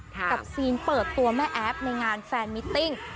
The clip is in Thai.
กับซีนเปิดตัวแม่แอฟในงานแฟนมิตติ้ง